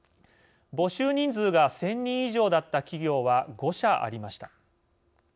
募集人数が１０００人以上だった企業は５社ありました。